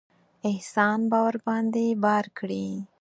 احسان به ورباندې بار کړي.